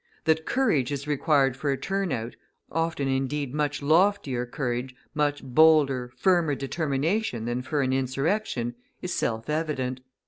That courage is required for a turnout, often indeed much loftier courage, much bolder, firmer determination than for an insurrection, is self evident.